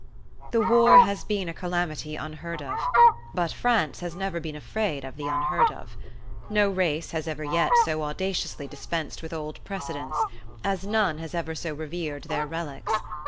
The war has been a calamity unheard of; but France has never been afraid of the unheard of. No race has ever yet so audaciously dispensed with old precedents; as none has ever so revered their relics.